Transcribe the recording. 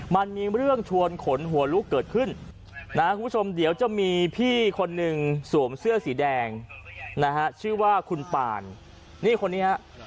มันมีเรื่องชวนขนหัวลุกเกิดขึ้นนะคุณผู้ชมเดี๋ยวจะมีพี่คนหนึ่งสวมเสื้อสีแดงนะฮะชื่อว่าคุณป่านนี่คนนี้ฮะ